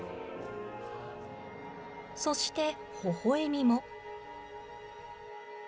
そしてほほえみも。